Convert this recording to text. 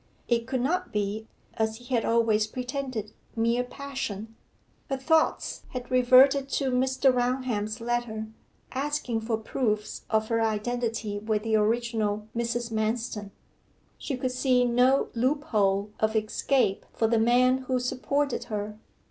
It could not be, as he had always pretended, mere passion. Her thoughts had reverted to Mr. Raunham's letter, asking for proofs of her identity with the original Mrs. Manston. She could see no loophole of escape for the man who supported her.